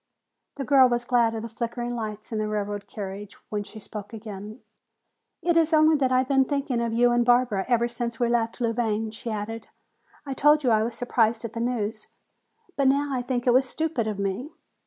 The girl was glad of the flickering lights in the railroad carriage, when she spoke again. "It is only that I have been thinking of you and Barbara ever since we left Louvain," she added. "I told you I was surprised at the news. But now I think it was stupid of me.